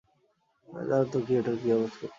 জানো তো কিয়োটোয় কী অপেক্ষা করছে।